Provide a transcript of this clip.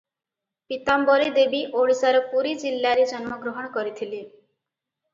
ପୀତାମ୍ବରୀ ଦେବୀ ଓଡ଼ିଶାର ପୁରୀ ଜିଲ୍ଲାରେ ଜନ୍ମଗ୍ରହଣ କରିଥିଲେ ।